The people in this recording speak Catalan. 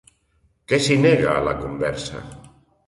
Què s'hi nega, a la conversa?